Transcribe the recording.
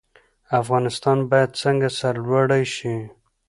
افغانستان باید څنګه سرلوړی شي؟